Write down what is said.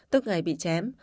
tức ngày bị chém